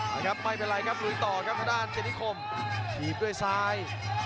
นะครับไม่เป็นไรครับลุยต่อครับทางด้านเจนิคมถีบด้วยซ้าย